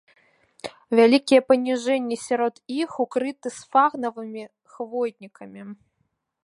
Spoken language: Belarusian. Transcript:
Вялікія паніжэнні сярод іх укрыты сфагнавымі хвойнікамі.